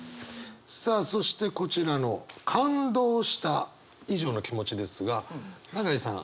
さあそしてこちらの感動した以上の気持ちですが永井さん